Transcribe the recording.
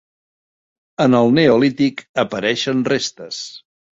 En el neolític apareixen restes.